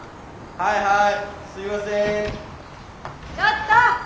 はいはい。